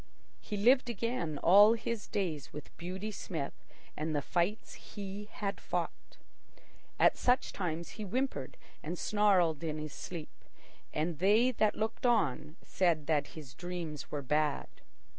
He lived again all his days with Beauty Smith and the fights he had fought. At such times he whimpered and snarled in his sleep, and they that looked on said that his dreams were bad.